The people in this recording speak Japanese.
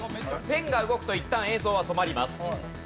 ペンが動くといったん映像は止まります。